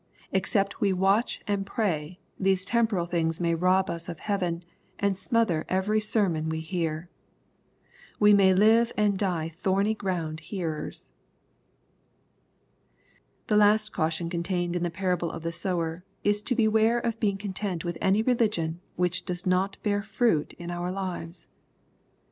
Except we watch and pray, these temporal things may rob us of heaven, and smother every sermon we hear. We may live and die thorny ground hearers. The last caution contained in the parable of the sower, is to beware of being content with any religion which does not bear fruit in our lives.